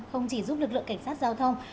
không chỉ giúp lực lượng cảnh sát giao thông